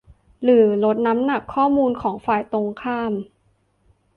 หรือลดน้ำหนักข้อมูลของฝ่ายตรงข้าม